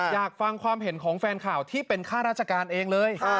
อยากฟังความเห็นของแฟนข่าวที่เป็นข้าราชการเองเลย